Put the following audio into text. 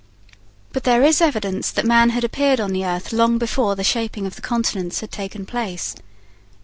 But there is evidence that man had appeared on the earth long before the shaping of the continents had taken place.